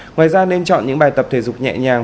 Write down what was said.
ngoài ra nên chọn những bài tập thể dục nhẹ nhàng